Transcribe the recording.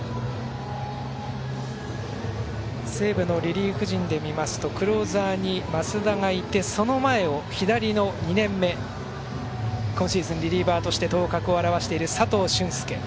西武のリリーフ陣で見ますとクローザーに増田がいてその前を左の２年目今シーズン、リリーバーとして頭角を現している、佐藤隼輔。